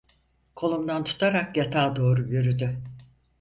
Kolumdan tutarak yatağa doğru yürüdü.